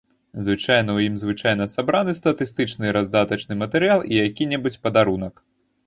Звычайна ў ім звычайна сабраны статыстычны раздатачны матэрыял і які-небудзь падарунак.